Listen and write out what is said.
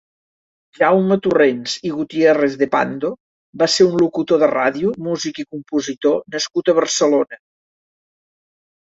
Jaume Torrents i Gutiérrez de Pando va ser un locutor de ràdio, músic i compositor nascut a Barcelona.